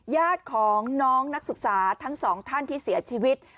ญาติของน้องนักศึกษาทั้งสองท่านที่เสียชีวิต